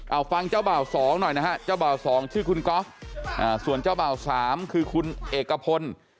เอาฟังเจ้าบ่าว๒หน่อยนะฮะเจ้าบ่าว๒ชื่อคุณก๊อฟส่วนเจ้าบ่าว๓คือคุณเอกพล